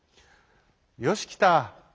「よしきた。